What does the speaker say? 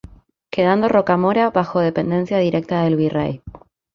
Quedando Rocamora bajo dependencia directa del virrey.